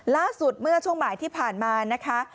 ล่าสุดเมื่อช่วงบ่ายที่ผ่านมานะคะ